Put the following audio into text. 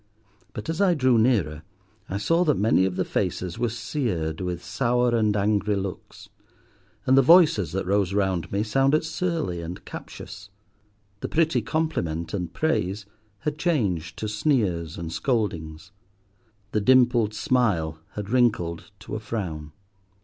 But as I drew nearer, I saw that many of the faces were seared with sour and angry looks, and the voices that rose round me sounded surly and captious. The pretty compliment and praise had changed to sneers and scoldings. The dimpled smile had wrinkled to a frown.